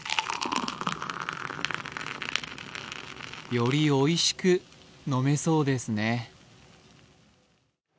よりおいしく飲めそうですね。